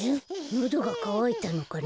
のどがかわいたのかな？